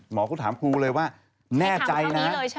หมอก็ถามครูเลยว่าแน่ใจนะ